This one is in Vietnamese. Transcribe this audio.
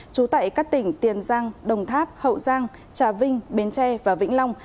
trú tại các tỉnh tiền giang đồng tháp hậu giang trà vinh bến tre và vĩnh long